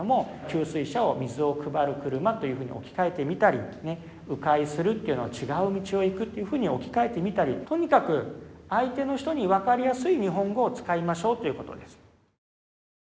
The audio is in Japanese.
「給水車」を「水をくばる車」というふうに置き換えてみたりね「う回する」というのを「ちがう道をいく」っていうふうに置き換えてみたりとにかく相手の人に分かりやすい日本語を使いましょうということです。